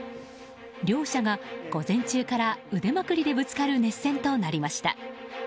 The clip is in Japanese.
両者が午前中から、腕まくりでぶつかる熱戦となりました。